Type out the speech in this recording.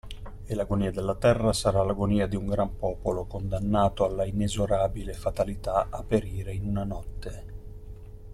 E l'agonia della terra sarà l'agonia di un gran popolo, condannato dalla inesorabile fatalità a perire in una notte!